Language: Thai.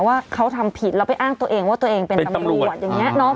ว่าเขาทำผิดแล้วไปอ้างตัวเองว่าตัวเองเป็นตำรวจอย่างนี้เนาะ